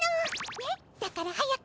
ねだから早く。